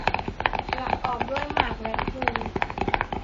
ประกอบด้วยหมากและพลู